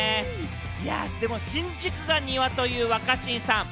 でも新宿が庭という若新さん。